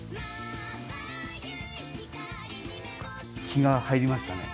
気が入りましたね。